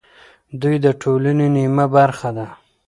دوی د ټولنې نیمه برخه ده.